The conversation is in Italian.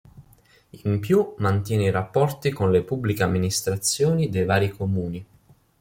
In più mantiene i rapporti con le pubbliche amministrazioni dei vari comuni.